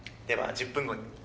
では１０分後に。